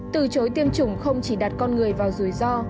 từ chối tiêm chủng không chỉ đặt con người vào rủi ro